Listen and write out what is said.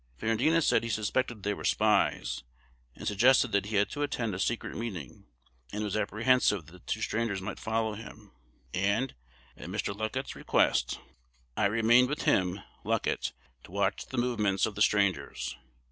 Ferrandina said he suspected they were spies, and suggested that he had to attend a secret meeting, and was apprehensive that the two strangers might follow him; and, at Mr. Luckett's request, I remained with him (Luckett) to watch the movements of the strangers.